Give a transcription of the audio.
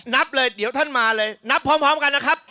นับเลยเดี๋ยวท่านมาเลยนับพร้อมกันนะครับ